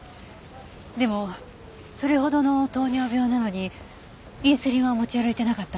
でもそれほどの糖尿病なのにインスリンは持ち歩いてなかったんですか？